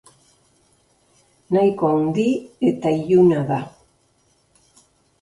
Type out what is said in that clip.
Nahiko handi eta iluna da.